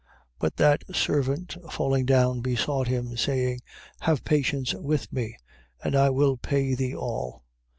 18:26. But that servant falling down, besought him, saying: Have patience with me, and I will pay thee all.